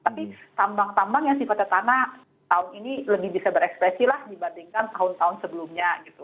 tapi tambang tambang yang sifatnya tanah tahun ini lebih bisa berekspresi lah dibandingkan tahun tahun sebelumnya gitu